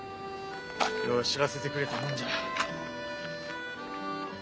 よう知らせてくれたもんじゃ。